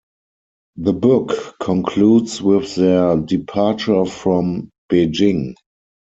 The book concludes with their departure from Beijing.